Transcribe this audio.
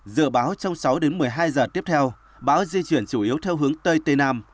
dự báo trong sáu đến một mươi hai giờ tiếp theo bão di chuyển chủ yếu theo hướng tây tây nam